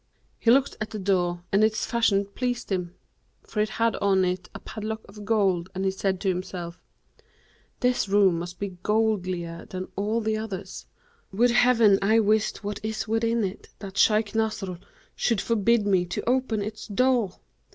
He looked at the door and its fashion pleased him, for it had on it a padlock of gold, and he said to himself, 'This room must be goodlier than all the others; would Heaven I wist what is within it, that Shaykh Nasr should forbid me to open its door!